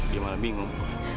dia malah bingung